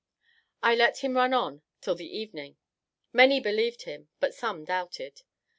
I let him run on till the evening. Many believed him; but some doubted.